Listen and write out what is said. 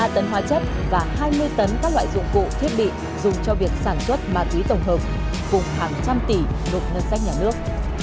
một mươi ba tấn hóa chất và hai mươi tấn các loại dụng cụ thiết bị dùng cho việc sản xuất ma túy tổng hợp cùng hàng trăm tỷ lục nâng sách nhà nước